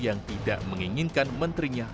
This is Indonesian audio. yang tidak menginginkan menterinya